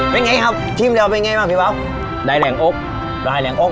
เป็นไงครับทีมเราเป็นไงบ้างพี่เบาได้แหล่งอกได้แรงอก